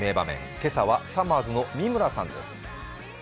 今朝はさまぁずの三村さんです。